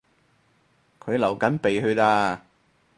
佢流緊鼻血呀